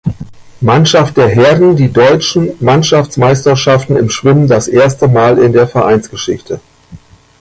Mannschaft der Herren die Deutschen Mannschaftsmeisterschaften im Schwimmen das erste Mal in der Vereinsgeschichte.